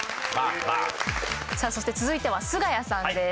さあそして続いてはすがやさんです。